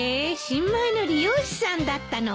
新米の理容師さんだったの。